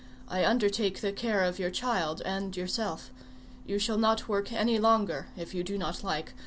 I undertake the care of your child and yourself. You shall not work any longer if you do not like.